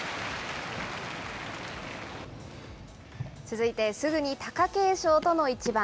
続いて、すぐに貴景勝との一番。